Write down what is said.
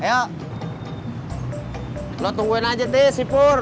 halo lo tungguin aja disipul